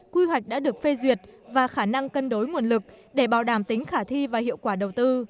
quy hoạch đã được phê duyệt và khả năng cân đối nguồn lực để bảo đảm tính khả thi và hiệu quả đầu tư